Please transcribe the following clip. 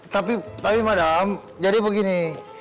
tapi tapi madame jadi begini